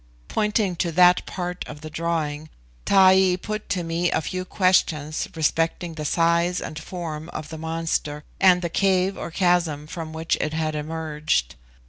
Pointing to that part of the drawing, Taee put to me a few questions respecting the size and form of the monster, and the cave or chasm from which it had emerged.